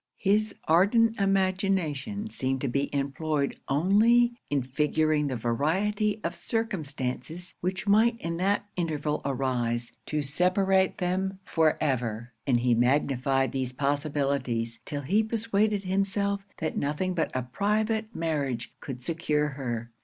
His ardent imagination seemed to be employed only in figuring the variety of circumstances which might in that interval arise to separate them for ever; and he magnified these possibilities, till he persuaded himself that nothing but a private marriage could secure her.